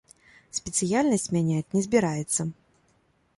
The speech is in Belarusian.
Спецыяльнасць мяняць не збіраецца.